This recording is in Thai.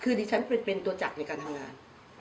คือดิฉันเป็นตัวจักรในการทำงาน